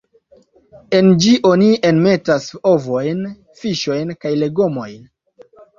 En ĝi oni enmetas ovojn, fiŝojn kaj legomojn.